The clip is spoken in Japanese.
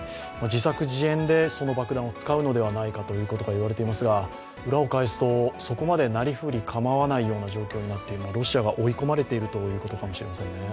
自作自演でその爆弾を使うのではないかということが言われていますが裏を返すと、そこまでなりふり構わない状況になっているのは、ロシアが追い込まれているということかもしれませんね。